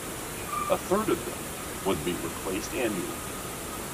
A third of them would be replaced annually.